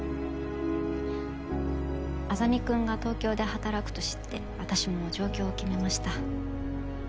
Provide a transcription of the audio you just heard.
莇君が東京で働くと知って私も上京を決めました。